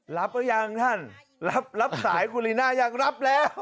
รับหรือยังท่านรับสายคุณลีน่ายังรับแล้ว